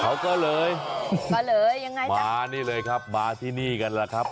เขาก็เลยมานี่เลยครับมาที่นี่กันแหละครับ